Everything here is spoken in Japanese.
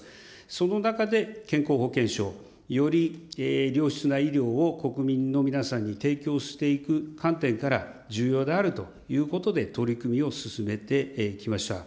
その中で健康保険証、より良質な医療を国民の皆さんに提供していく観点から、重要であるということで取り組みを進めてきました。